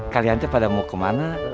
kalian pada mau kemana